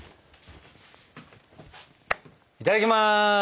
いただきます。